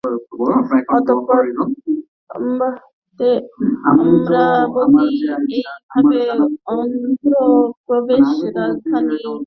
অতএব, অমরাবতী এইভাবে অন্ধ্র প্রদেশ রাজধানী হিসাবে নির্মিত হয়েছে।